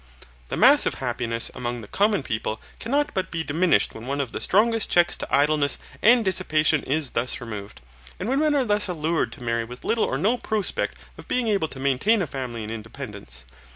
The mass of happiness among the common people cannot but be diminished when one of the strongest checks to idleness and dissipation is thus removed, and when men are thus allured to marry with little or no prospect of being able to maintain a family in independence.